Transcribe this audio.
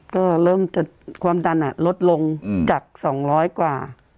ก็เริ่มรู้ว่าความดันลดลงกับ๒๐๐กว่า